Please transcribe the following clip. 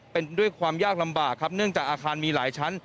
เป็นด้วยความยากลำบากครับเนื่องจากอาคารมีหลายชั้น